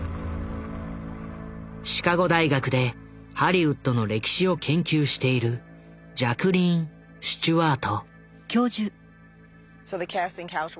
シカゴ大学でハリウッドの歴史を研究しているジャクリーン・スチュワート。